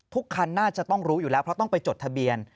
คันน่าจะต้องรู้อยู่แล้วเพราะต้องไปจดทะเบียน